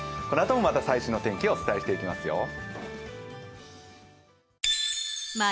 このあともまた最新の天気をお伝えしていきますよ。